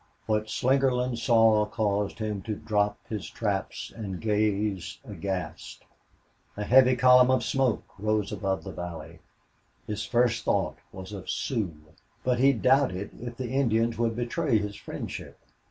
What Slingerland saw caused him to drop his traps and gaze aghast. A heavy column of smoke rose above the valley. His first thought was of Sioux. But he doubted if the Indians would betray his friendship.